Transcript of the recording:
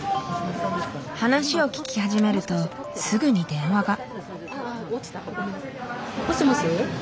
話を聞き始めるとすぐに電話が。